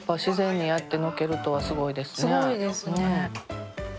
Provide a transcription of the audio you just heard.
すごいですね。